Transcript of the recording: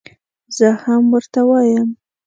زه هم ورته وایم.